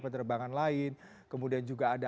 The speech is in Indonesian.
penerbangan lain kemudian juga ada